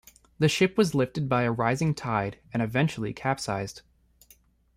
The ship was lifted by a rising tide and eventually capsized.